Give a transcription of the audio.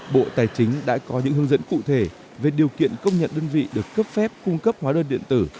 bộ tài chính đã có những hướng dẫn cụ thể về điều kiện công nhận đơn vị được cấp phép cung cấp hóa đơn điện tử